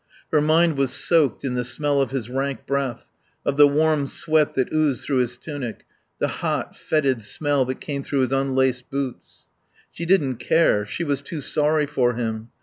Her mind was soaked in the smell of his rank breath, of the warm sweat that oozed through his tunic, the hot, fetid smell that came through his unlaced boots. She didn't care; she was too sorry for him.